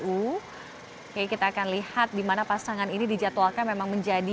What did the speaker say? oke kita akan lihat di mana pasangan ini dijadwalkan memang menjadi